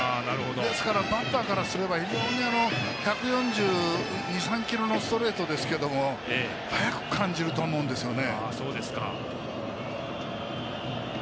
ですからバッターからすれば非常に１４２１４３キロのストレートですけど速く感じると思うんですね。